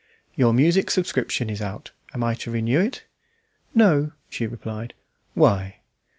"Your music subscription is out; am I to renew it?" "No," she replied. "Why?"